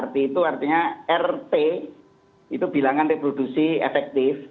rt itu artinya rt itu bilangan reproduksi efektif